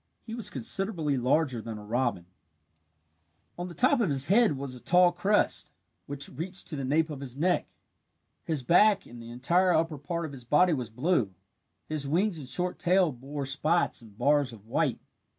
He was considerably larger than a robin"] On the top of his head was a tall crest, which reached to the nape of his neck. His back and the entire upper part of his body was blue. His wings and short tail bore spots and bars of white.